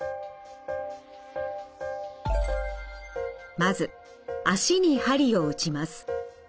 まず足に鍼を打ちます。